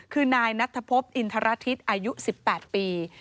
คือนายนัทพบอินทรทิศอายุ๑๘ปี